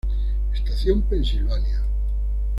Estación Pensilvania